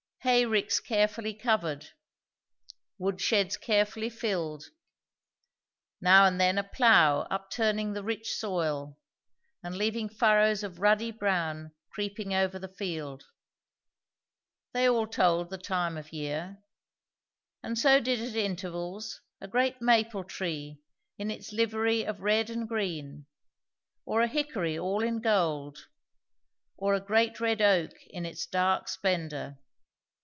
Hay ricks carefully covered; wood sheds carefully filled; now and then a plough upturning the rich soil, and leaving furrows of ruddy brown creeping over the field; they all told the time of year; and so did at intervals a great maple tree in its livery of red and green, or a hickory all in gold, or a great red oak in its dark splendour.